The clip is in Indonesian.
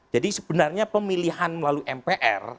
jadi sebenarnya pemilihan melalui mpr